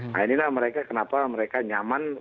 nah inilah mereka kenapa mereka nyaman